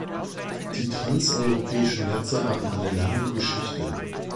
Die transeuropäischen Netze haben eine lange Geschichte.